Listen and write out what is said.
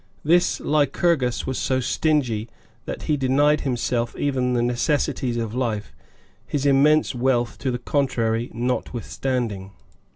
This Lycurgus was so stingy that he denied himself even the necessities of life, his immense wealth to the contrary notwithstanding.)